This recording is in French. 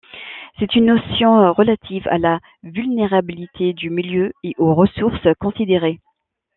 C'est une notion relative à la vulnérabilité du milieu et aux ressources considérées.